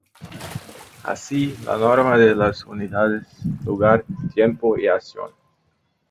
Así, la norma de las unidades, lugar, tiempo y acción.